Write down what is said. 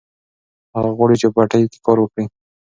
هغه غواړي چې په پټي کې کار وکړي.